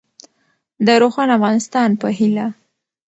د روښانه افغانستان په هیله.